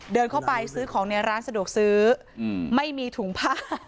เดินเข้าไปซื้อของในร้านสะดวกซื้อไม่มีถุงผ้า